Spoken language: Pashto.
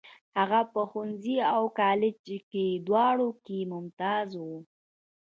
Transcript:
هغه په ښوونځي او کالج دواړو کې ممتاز و.